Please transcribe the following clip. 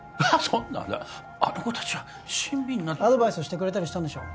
そんなあの子達は親身になってアドバイスしてくれたりしたんでしょ？